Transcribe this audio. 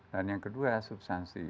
dan yang kedua subsansi